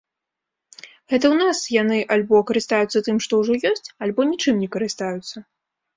Гэта ў нас яны альбо карыстаюцца тым, што ўжо ёсць, альбо нічым не карыстаюцца.